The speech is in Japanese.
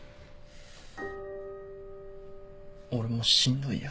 俺もしんどいよ。